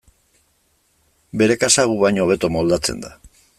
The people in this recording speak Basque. Bere kasa gu baino hobeto moldatzen da.